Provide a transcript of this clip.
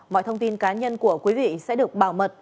mọi thông tin cá nhân của quý vị sẽ được bảo mật